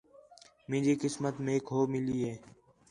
مینجی قسمت میک ہو مِلی ہے